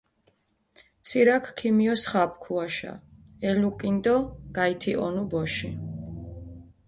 ცირაქჷ ქიმიოსხაპუ ქუაშა, ელუკჷნჷ დო გაითიჸუნუ ბოში.